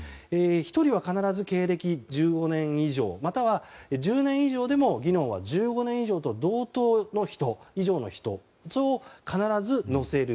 １人は必ず経歴１５年以上または１０年以上でも技能は１５年以上と同等以上の人それを必ず乗せる。